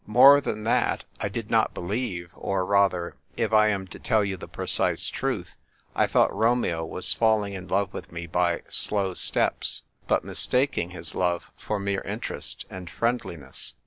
More than that, I did not believe, or rather, if I am to tell you the precise truth, 1 thought Romeo was fall ing in love with me by slow steps, but mis taking his love for mere interest and friendli ness.